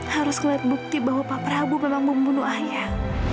harus ngeliat bukti bahwa pak prabu memang membunuh ayah